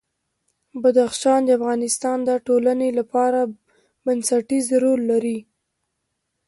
بدخشان د افغانستان د ټولنې لپاره بنسټيز رول لري.